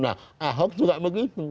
nah aup juga begitu